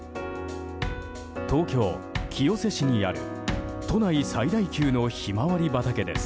東京・清瀬市にある都内最大級のヒマワリ畑です。